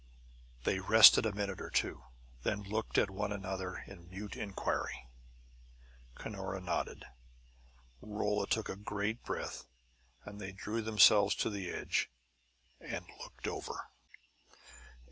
They rested a minute or two, then looked at one another in mute inquiry. Cunora nodded; Rolla took great breath; and they drew themselves to the edge and looked over.